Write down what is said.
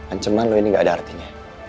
ancaman loh ini gak ada artinya